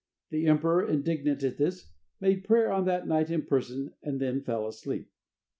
The emperor, indignant at this, made prayer on that night in person, and then fell asleep.